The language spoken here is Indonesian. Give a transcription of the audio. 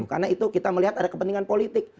karena itu kita melihat ada kepentingan politik